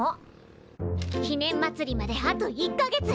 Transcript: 記念まつりまであと１か月！